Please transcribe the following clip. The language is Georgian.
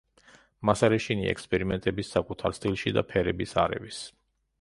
მას არ ეშინია ექსპერიმენტების საკუთარ სტილში და ფერების არევის.